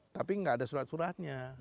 tapi nggak ada surat suratnya